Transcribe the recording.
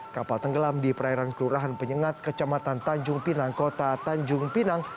kapal tenggelam di perairan kelurahan penyengat kecamatan tanjung pinang kota tanjung pinang